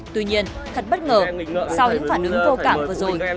tuy nhiên thật bất ngờ sau những phản ứng vô cảm vừa rồi